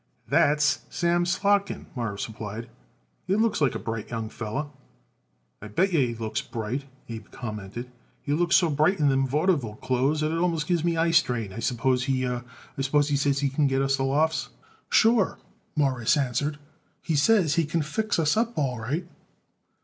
"That's Sam Slotkin," Morris replied. "He looks like a bright young feller." "I bet yer he looks bright," Abe commented. "He looks so bright in them vaudeville clothes that it almost gives me eye strain. I suppose he says he can get us the lofts." "Sure," Morris answered; "he says he can fix us up all right."